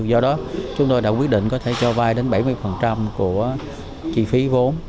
do đó chúng tôi đã quyết định có thể cho vay đến bảy mươi của chi phí vốn